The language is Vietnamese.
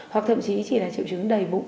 hoặc thậm chí chỉ là triệu chứng đầy bụng